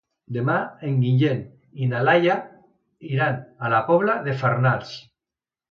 Demà en Guillem i na Laia iran a la Pobla de Farnals.